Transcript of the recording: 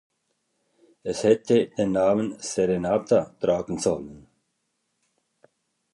Es hätte den Namen "Serenata" tragen sollen.